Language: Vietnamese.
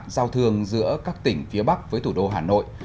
giao thương giữa các tỉnh phía bắc với thủ đô hà nội